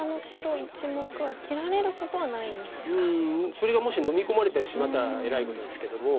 それがもしのみ込まれてしまったらえらいことですけども。